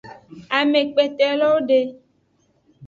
Amekpetelowo de.